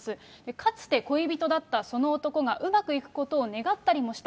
かつて恋人だったその男がうまくいくことを願ったりもした。